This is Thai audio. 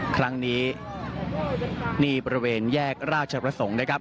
ครั้งนี้นี่บริเวณแยกราชประสงค์นะครับ